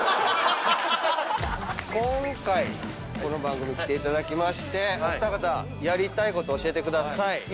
今回この番組来ていただきましてお二方やりたいこと教えてください。